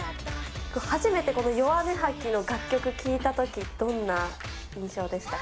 初めてこのヨワネハキの楽曲聴いたとき、どんな印象でしたか？